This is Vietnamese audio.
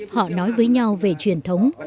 họ nói với nhau về truyền thống